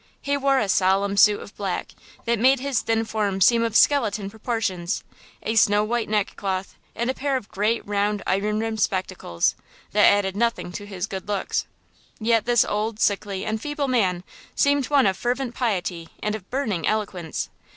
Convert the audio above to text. He wore a solemn suit of black, that made his thin form seem of skeleton proportions; a snow white neck cloth, and a pair of great round iron rimmed spectacles, that added nothing to his good looks. Yet this old, sickly and feeble man seemed one of fervent piety and of burning eloquence.